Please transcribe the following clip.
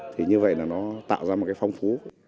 thì như vậy là nó tạo ra một cái phong phú